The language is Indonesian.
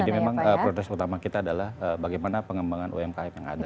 jadi memang protes utama kita adalah bagaimana pengembangan umkm yang ada